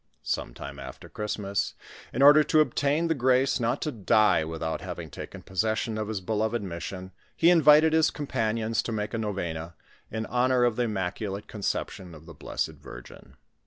Some time after Christmas, in order to obtain the grace not to die without having taken possoRsion of his beloved mission, he invited his companions to mak a novena in honor of the Immaculate Conception of til liiessed Virgin.